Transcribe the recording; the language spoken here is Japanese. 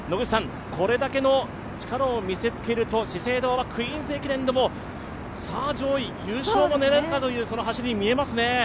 これだけの力を見せつけると資生堂は「クイーンズ駅伝」でもさあ上位、優勝も狙えるかという走りに見えますね。